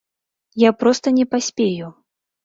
Я проста не паспею.